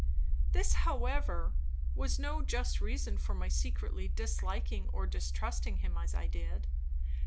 This, however, was no just reason for my secretly disliking and distrusting him as I did.